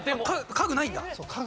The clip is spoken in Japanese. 家具ないんだ。